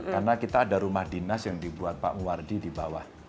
karena kita ada rumah dinas yang dibuat pak muwardi di bawah